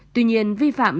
tuy nhiên vi phạm